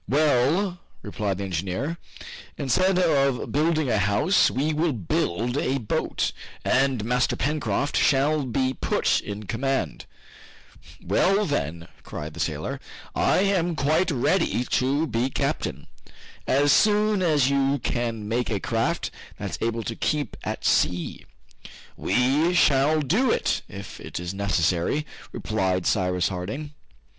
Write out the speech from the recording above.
"Well," replied the engineer, "instead of building a house we will build a boat, and Master Pencroft shall be put in command " "Well then," cried the sailor, "I am quite ready to be captain as soon as you can make a craft that's able to keep at sea!" "We shall do it, if it is necessary," replied Cyrus Harding.